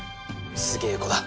すげえ子だ。